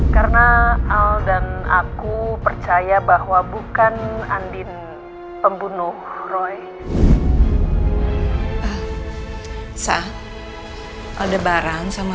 karena al dan aku percaya bahwa bukan andin pembunuh roy sah ada barang sama